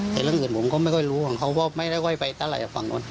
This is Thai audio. แต่เรื่องอื่นผมก็ไม่ค่อยรู้ของเขาก็ไม่ได้ค่อยไปเท่าไหร่ฝั่งนู้น